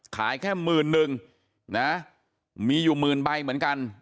ขายแค่๑๐๐๐๐หนึ่งนะมีอยู่๑๐๐๐๐ใบเหมือนกัน